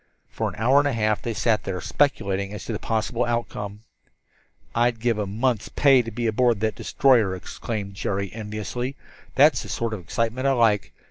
For an hour and a half they sat there, speculating as to the possible outcome. "I'd give a month's pay to be aboard that destroyer," exclaimed Jerry enviously. "That's the sort of excitement I like.